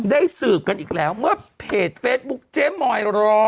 สืบกันอีกแล้วเมื่อเพจเฟซบุ๊คเจ๊มอย๑๐๐